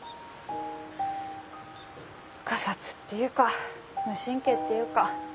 がさつっていうか無神経っていうか。